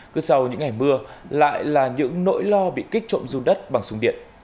cứ sau những ngày mưa lại là những nỗi lo bị kích trộm dung đất bằng súng điện